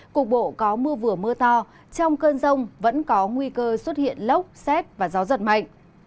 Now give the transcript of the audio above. cục bộ có mưa vừa mưa to trong cơn rông vẫn có nguy cơ xuất hiện lốc xét và gió giật mạnh